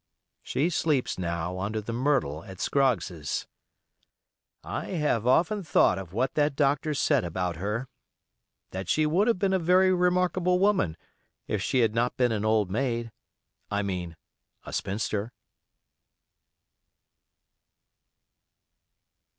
She sleeps now under the myrtle at Scroggs's. I have often thought of what that doctor said about her: that she would have been a very remarkable woman, if she had not been an old maid—I mean, a spinster.